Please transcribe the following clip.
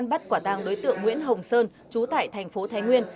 bảo tàng đối tượng nguyễn hồng sơn chú tại thành phố thái nguyên